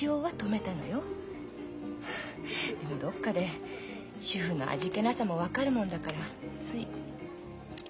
でもどっかで主婦の味気なさも分かるもんだからつい。